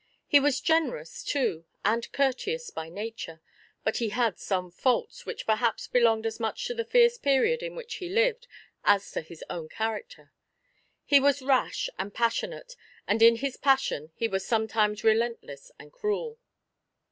He was generous, too, and courteous by nature; but he had some faults, which perhaps belonged as much to the fierce period in which he lived as to his own character. He was rash and passionate, and in his passion he was sometimes relentless and cruel.